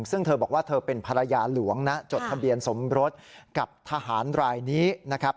ซึ่งเธอบอกว่าเธอเป็นภรรยาหลวงนะจดทะเบียนสมรสกับทหารรายนี้นะครับ